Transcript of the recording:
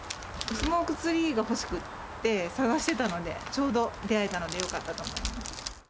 スモークツリーが欲しくて、探してたので、ちょうど出会えたのでよかったと思います。